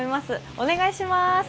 お願いします。